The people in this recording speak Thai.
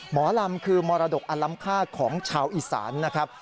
หมอลำคือมรดกอล้ำค่าของชาวอีสานนะครับ